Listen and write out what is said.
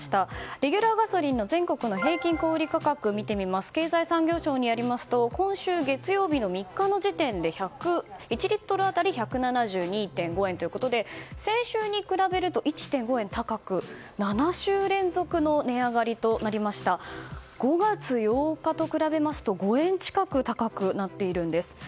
レギュラーガソリンの平均小売価格を見てみますと経済産業省によりますと月曜日の時点で１リットル当たり１７２．５円ということで先週に比べると１．５円高く７週連続の値上げで５月８日と比べると５円近く高くなっています。